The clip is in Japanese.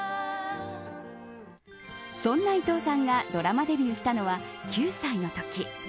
そんな伊藤さんがドラマデビューしたのは９歳のとき。